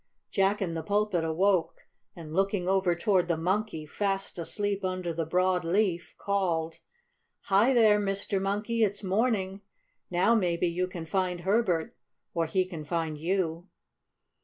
Jack in the Pulpit awoke, and, looking over toward the Monkey, fast asleep under the broad leaf, called: "Hi, there, Mr. Monkey! It's morning! Now maybe you can find Herbert, or he can find you!"